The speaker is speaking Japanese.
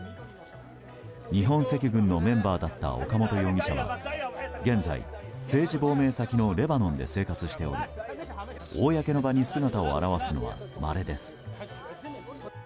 日本赤軍のメンバーだった岡本容疑者は現在、政治亡命先のレバノンで生活しており公の場に姿を現すのはまれです。